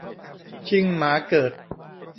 ชิงหมาเกิด